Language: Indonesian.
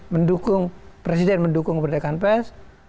mendukung presiden mendukung kemerdekaan pers